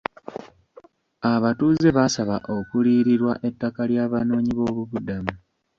Abatuuze baasaba okuliyirirwa ettaka ly'abanoonyi boobubudamu.